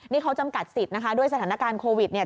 นี่เขาจำกัดสิทธิ์นะคะด้วยสถานการณ์โควิดเนี่ย